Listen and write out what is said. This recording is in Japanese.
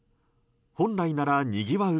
本来ならにぎわう